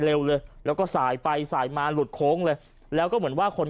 เร็วเลยแล้วก็สายไปสายมาหลุดโค้งเลยแล้วก็เหมือนว่าคน